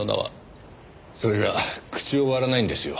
それが口を割らないんですよ。